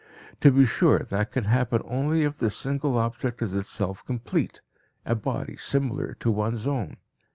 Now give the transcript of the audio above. To be sure, that can happen only if this single object is itself complete, a body similar to one's own.